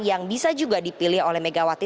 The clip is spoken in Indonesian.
yang bisa juga dipilih oleh megawati